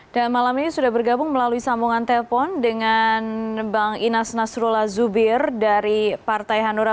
dan malam ini sudah bergabung melalui sambungan telpon dengan bang inas nasrullah zubir dari partai hanura